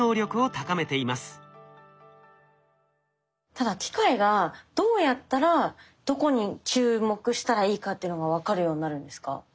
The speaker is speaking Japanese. ただ機械がどうやったらどこに注目したらいいかっていうのが分かるようになるんですか？